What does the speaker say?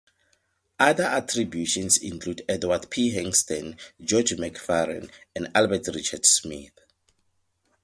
Other attributions include Edward P. Hingston, George Macfarren, and Albert Richard Smith.